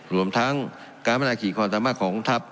รวมทั้งการพัฒนาขีดความสามารถของทัพ